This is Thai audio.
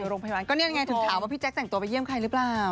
ก็เนี่ยยังไงถึงถามว่าพี่แจ๊คแส่งตัวไปเยี่ยมใครรึเปล่า